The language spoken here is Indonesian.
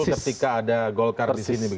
ketika ada golkar disini